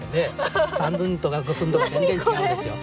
三寸とか五寸とか全然違うですよ。